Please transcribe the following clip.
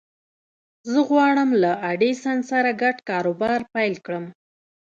زه غواړم له ايډېسن سره ګډ کاروبار پيل کړم.